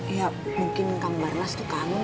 ya mungkin kambar nas tuh kangen